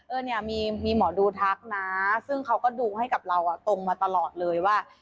เออเนี่ยมีหมอดูทักนะซึ่งเขาก็ดูให้กับเราตรงมาตลอดเลยว่า